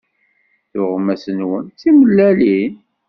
Tuɣmas-nwen d timellalin.